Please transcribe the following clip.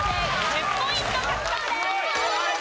１０ポイント獲得です。